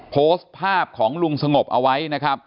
โพสต์ภาพของลุงสงบเอาไว้